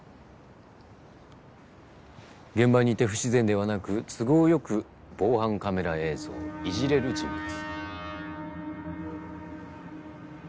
現場にいて不自然ではなく都合良く防犯カメラ映像をいじれる人物。